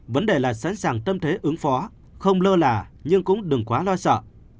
vấn đề là sẵn sàng tâm thế ứng phó không lơ là nhưng cũng đừng quá lo sợ